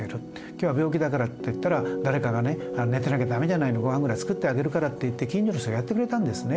今日は病気だからって言ったら誰かがね寝てなきゃ駄目じゃないのごはんぐらい作ってあげるからって言って近所の人がやってくれたんですね。